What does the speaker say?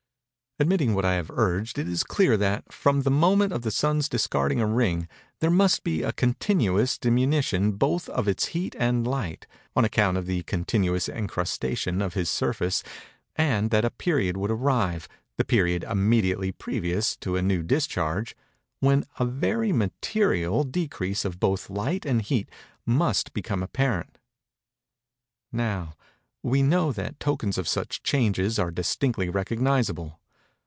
Admitting what I have urged, it is clear that, from the moment of the Sun's discarding a ring, there must be a continuous diminution both of his heat and light, on account of the continuous encrustation of his surface; and that a period would arrive—the period immediately previous to a new discharge—when a very material decrease of both light and heat, must become apparent. Now, we know that tokens of such changes are distinctly recognizable.